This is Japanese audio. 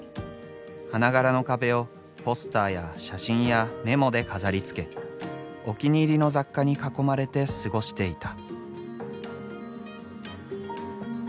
花柄の壁をポスターや写真やメモで飾りつけお気に入りの雑貨に囲まれて過ごしていた。